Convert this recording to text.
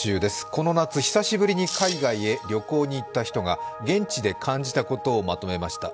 この夏久しぶりに海外へ旅行に行った人が現地で感じたことをまとめました。